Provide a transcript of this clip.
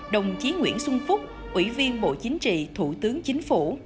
đồng chí nguyễn xuân phúc ủy viên bộ chính trị thủ tướng chính phủ